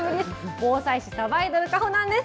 防災士、さばいどる、かほなんです。